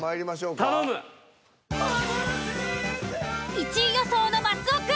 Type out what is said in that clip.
１位予想の松尾くん。